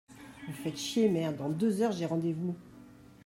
Vous faites chier, merde. Dans deux heures, j’ai rendez-vous